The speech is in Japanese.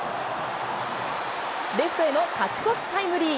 レフトへの勝ち越しタイムリー。